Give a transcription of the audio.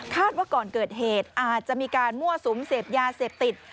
ว่าก่อนเกิดเหตุอาจจะมีการมั่วสุมเสพยาเสพติด